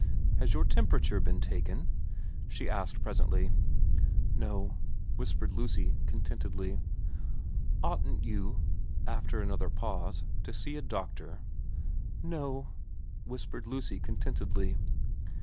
' Has your temperature been taken ?' she asked presently. * No,' whispered Lucy contentedly. * Oughtn't you ' after another pause ' to see a doctor ?'' No,' whispered Lucy contentedly.